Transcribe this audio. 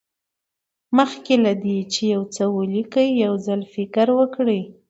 مخکې له دې چې یو څه ولیکئ یو ځل فکر وکړئ.